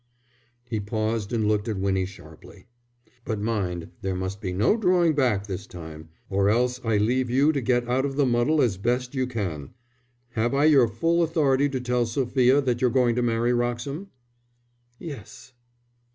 He paused and looked at Winnie sharply. "But mind, there must be no drawing back this time, or else I leave you to get out of the muddle as best you can. Have I your full authority to tell Sophia that you're going to marry Wroxham?" "Yes."